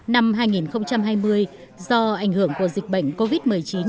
năm hai nghìn hai mươi do ảnh hưởng của dịch bệnh covid một mươi chín